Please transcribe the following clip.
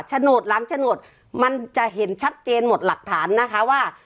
โฉนดหลังโฉนดมันจะเห็นชัดเจนหมดหลักฐานนะคะว่า